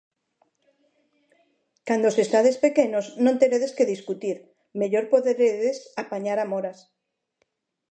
Cando sexades pequenos, non teredes que discutir, mellor poderedes apañar amoras.